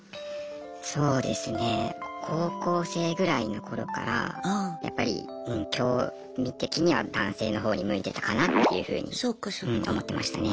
そうですね高校生ぐらいの頃からやっぱり興味的には男性の方に向いてたかなっていうふうに思ってましたね。